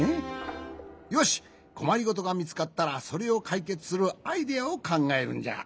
よしこまりごとがみつかったらそれをかいけつするアイデアをかんがえるんじゃ。